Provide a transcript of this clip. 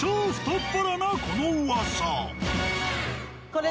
これ。